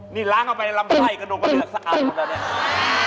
นี่ล้างเอาไปลำไส้กระดูกกระเดือกสะอาด